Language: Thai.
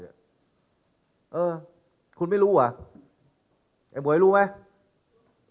เออคุณไม่รู้เหรอไอ้หมวยรู้ไหม